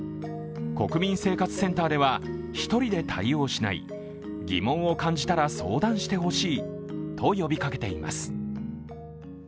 国民生活センターでは、一人で対応しない、疑問を感じたら相談してほしいと呼びかけています。